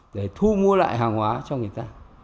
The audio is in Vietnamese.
để thu mua lại hàng hóa cho người ta